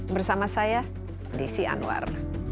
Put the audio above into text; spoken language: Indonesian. bersama saya desi anwar